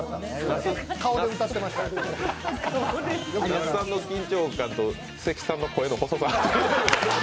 那須さんの緊張感と関さんの声の細さ。